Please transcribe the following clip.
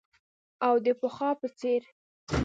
او د پخوا په څیر